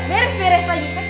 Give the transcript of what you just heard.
meres meres lagi kaca pasang gue